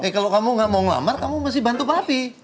eh kalau kamu ga mau ngelamar kamu mesti bantu papi